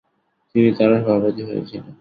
তিনি তারও সভাপতি হয়েছিলেন ।